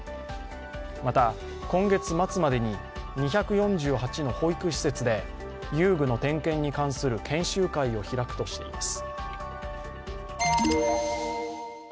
また、今月末までに２４８の保育施設で遊具の点検に関する研修会を開くとしています。